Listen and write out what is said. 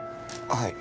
はい。